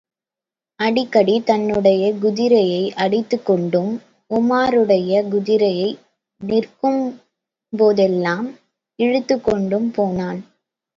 அடிக்கடி தன்னுடைய குதிரையை அடித்துக்கொண்டும் உமாருடைய குதிரையை நிற்கும்போதெல்லாம் இழுத்துக்கொண்டும் போனான்.